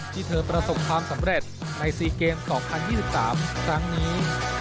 ที่เธอประสบความสำเร็จใน๔เกม๒๐๒๓ครั้งนี้